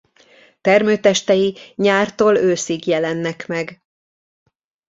Termőtestei nyártól őszig jelennek meg.